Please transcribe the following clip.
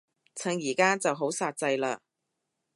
趁而家就好煞掣嘞